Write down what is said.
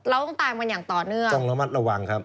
เราต้องตามกันอย่างต่อเนื่องต้องระมัดระวังครับ